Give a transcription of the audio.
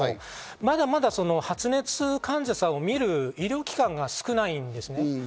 まだまだ発熱患者さんを診る医療機関が少ないんですね。